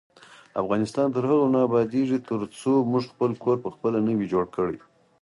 افغانستان تر هغو نه ابادیږي، ترڅو موږ خپل کور پخپله نه وي جوړ کړی.